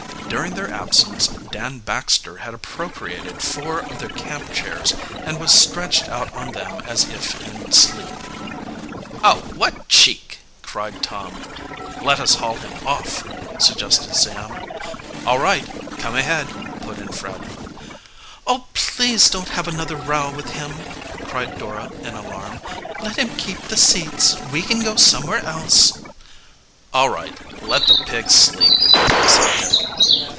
During their absence Dan Baxter had appropriated four of their camp chairs and was stretched out on them as if in sleep. "Oh, what a cheek!" cried Tom. "Let us haul him off," suggested Sam. "All right, come ahead," put in Fred. "Oh, please don't have another row with him!" cried Dora in alarm. "Let him keep the seats. We can go somewhere else." "All right, let the pig sleep," said Dick.